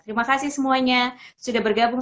terima kasih semuanya sudah bergabung